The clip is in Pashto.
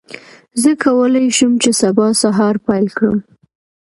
زه کولی شم چې سبا سهار پیل کړم.